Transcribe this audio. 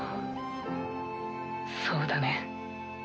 そうだね。